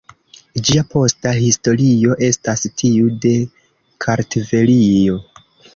Ĝia posta historio estas tiu de Kartvelio.